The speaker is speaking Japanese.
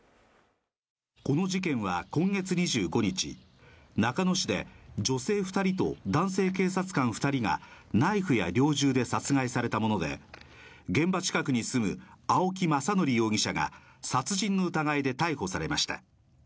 この事件は今月２５日、中野市で女性２人と男性警察官２人がナイフや猟銃で殺害されたもので、現場近くに住む青木政憲容疑者が殺人の疑いで逮捕されました。